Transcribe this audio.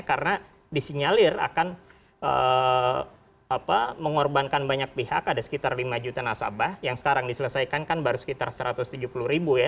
karena disinyalir akan mengorbankan banyak pihak ada sekitar lima juta nasabah yang sekarang diselesaikan kan baru sekitar satu ratus tujuh puluh ribu ya